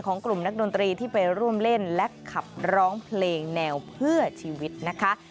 กลุ่มนักดนตรีที่ไปร่วมเล่นและขับร้องเพลงแนวเพื่อชีวิตนะคะ